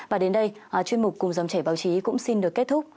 và đến đây chuyên mục cùng dòng chảy báo chí cũng xin được kết thúc